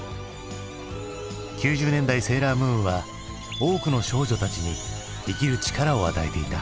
９０年代「セーラームーン」は多くの少女たちに生きる力を与えていた。